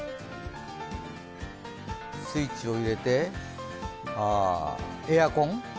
スイッチを入れてエアコン？